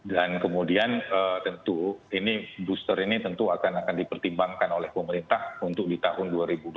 dan kemudian tentu booster ini akan dipertimbangkan oleh pemerintah untuk di tahun dua ribu dua puluh dua